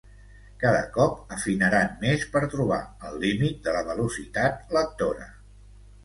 Cada cop afinaran més per trobar el límit de la velocitat lectora.